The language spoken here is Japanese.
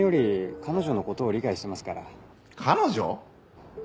彼女？